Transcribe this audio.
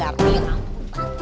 ya ampun banget